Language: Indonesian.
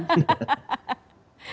hei tetep ngopi ya